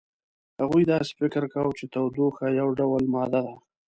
هغوی داسې فکر کاوه چې تودوخه یو ډول ماده ده.